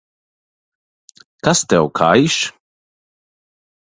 Kas tev kaiš?